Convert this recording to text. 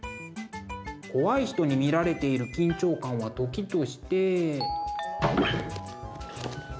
怖い人に見られている緊張感は時として。